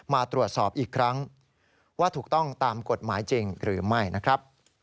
มาตรวจสอบอีกครั้งว่าถูกต้องตามกฎหมายจริงหรือไม่นะครับ